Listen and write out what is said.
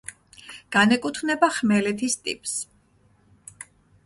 განეკუთვნება „ხმელეთის“ ტიპს.